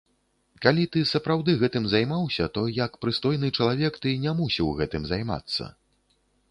Калі ты сапраўды гэтым займаўся, то як прыстойны чалавек, ты не мусіў гэтым займацца.